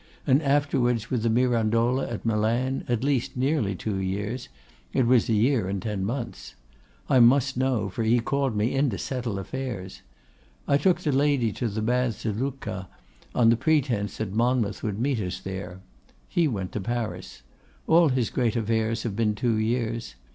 And afterwards with the Mirandola at Milan, at least nearly two years; it was a year and ten months. I must know, for he called me in to settle affairs. I took the lady to the baths at Lucca, on the pretence that Monmouth would meet us there. He went to Paris. All his great affairs have been two years.